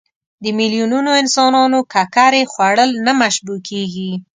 د میلیونونو انسانانو ککرې خوړل نه مشبوع کېږي.